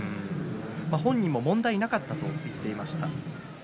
本人も問題なかったと言っていました。